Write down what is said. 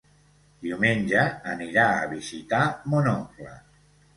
Diumenge anirà a visitar mon oncle.